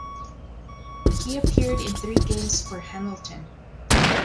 He appeared in three games for Hamilton.